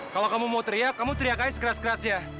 kalau kamu mau teriak kamu teriak aja sekeras keras ya